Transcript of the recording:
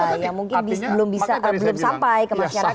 iya mungkin belum sampai ke masyarakat